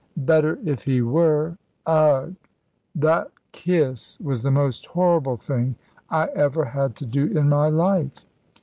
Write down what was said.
"Better if he were. Ugh! That kiss was the most horrible thing I ever had to do in my life."